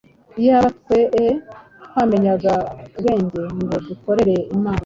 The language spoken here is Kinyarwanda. Iyaba twee twamenyaga ubwenjye ngo dukorere imana